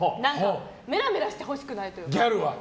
メラメラしてほしくないというか。